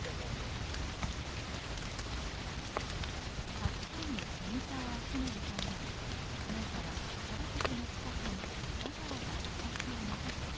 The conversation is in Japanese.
たくさんの茶草を集めるために農家は茶畑の近くにわざわざ草地を残してきました。